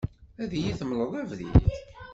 Ad iyi-d-temleḍ abrid?